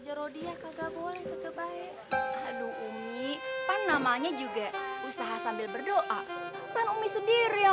aja rodiah kagak boleh kebaik aduh ini namanya juga usaha sambil berdoa dan umi sendiri yang